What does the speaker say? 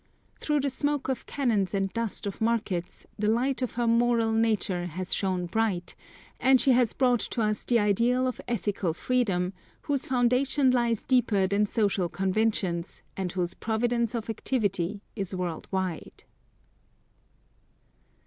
Through the smoke of cannons and dust of markets the light of her moral nature has shone bright, and she has brought to us the ideal of ethical freedom, whose foundation lies deeper than social conventions and whose province of activity is world wide.